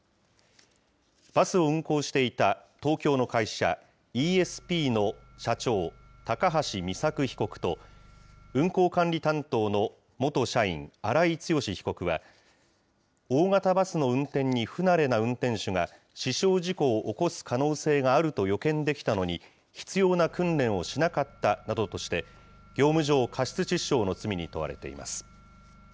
バスを運行していた東京の会社、イーエスピーの社長、高橋美作被告と、運行管理担当の元社員、荒井強被告は、大型バスの運転に不慣れな運転手が死傷事故を起こす可能性があると予見できたのに、必要な訓練をしなかったなどとして、業務上過失致死傷の罪に問われています。